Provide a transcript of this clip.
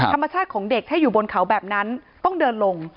ธรรมชาติของเด็กถ้าอยู่บนเขาแบบนั้นต้องเดินลง